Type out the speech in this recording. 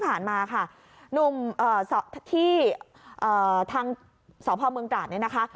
ผ่านมาค่ะที่ทางเสาภาวเมืองกะหารนี่นะคะ